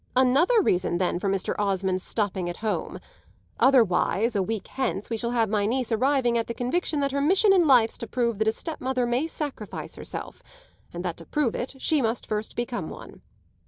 "Another reason then for Mr. Osmond's stopping at home! Otherwise, a week hence, we shall have my niece arriving at the conviction that her mission in life's to prove that a stepmother may sacrifice herself and that, to prove it, she must first become one."